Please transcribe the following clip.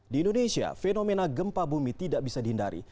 di indonesia fenomena gempa bumi tidak bisa dihindari